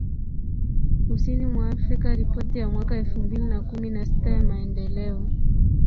kusini mwa AfrikaRipoti ya mwaka elfu mbili na kumi na sita ya Maendeleo